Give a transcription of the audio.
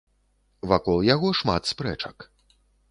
Вакол яго шмат спрэчак.